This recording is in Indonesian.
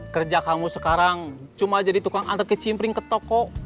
kerja kamu sekarang cuma jadi tukang antar kecimpling ke toko